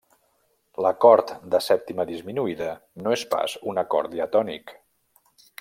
L'acord de sèptima disminuïda no és pas un acord diatònic.